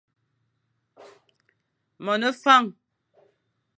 Mone Fañ,